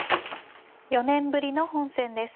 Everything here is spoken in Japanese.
４年ぶりの本戦です。